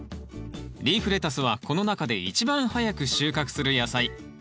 リーフレタスはこの中で一番早く収穫する野菜。